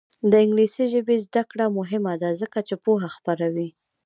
د انګلیسي ژبې زده کړه مهمه ده ځکه چې پوهه خپروي.